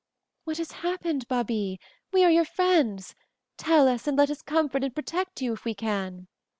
"What has happened, Babie? We are your friends. Tell us, and let us comfort and protect you if we can."